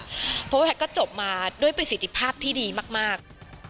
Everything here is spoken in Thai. เพราะว่าแพทย์ก็จบมาด้วยประสิทธิภาพที่ดีมาก